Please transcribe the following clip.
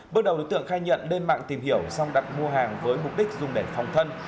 bước đầu đối tượng khai nhận lên mạng tìm hiểu xong đặt mua hàng với mục đích dùng để phòng thân